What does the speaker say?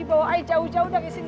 bawa air jauh jauh dari sini